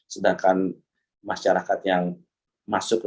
sedangkan masyarakat yang masuk